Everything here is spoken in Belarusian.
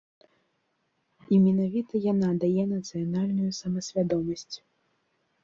І менавіта яна дае нацыянальную самасвядомасць.